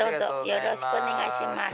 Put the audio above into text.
よろしくお願いします